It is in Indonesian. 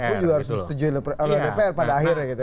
itu juga harus disetujui oleh dpr pada akhirnya gitu